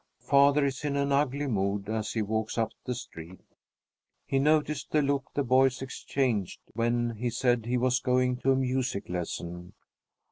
Father is in an ugly mood as he walks up the street. He noticed the look the boys exchanged when he said that he was going to a music lesson.